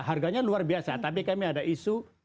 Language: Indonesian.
harganya luar biasa tapi kami ada isu